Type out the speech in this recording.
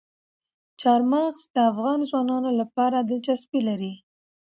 چار مغز د افغان ځوانانو لپاره دلچسپي لري.